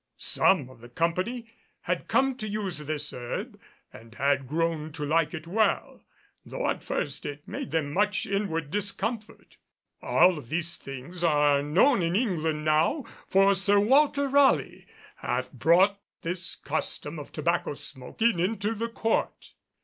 Some of the company had come to use this herb and had grown to like it well, though at first it made them much inward discomfort. All of these things are known in England now, for Sir Walter Raleigh hath brought this custom of tobacco smoking into the court.